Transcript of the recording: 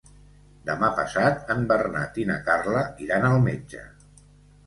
Demà passat en Bernat i na Carla iran al metge.